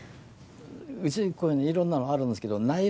うちにこういうのいろんなのあるんですけどない